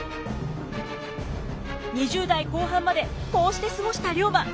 ２０代後半までこうして過ごした龍馬。